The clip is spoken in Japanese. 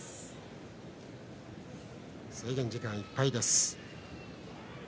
制限時間いっぱいです。